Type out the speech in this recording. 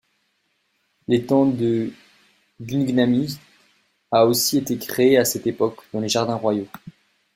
L'étang de Gungnamji a aussi été créé à cette époque dans les jardins royaux.